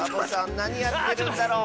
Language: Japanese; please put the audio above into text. なにやってるんだろう？